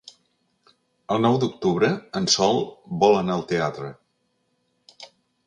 El nou d'octubre en Sol vol anar al teatre.